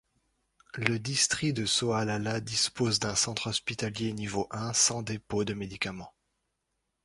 Le district de Soalala dispose d'un centre hospitalier Niveau I sans dépôt de médicaments.